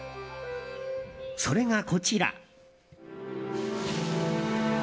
それが、こちら。